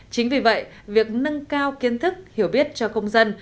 chính vì vậy việc nâng cao kiến thức hiểu biết cho công dân